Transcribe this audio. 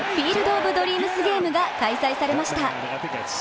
オブ・ドリームス・ゲームが開催されました。